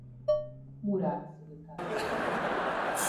Murád szultánnak.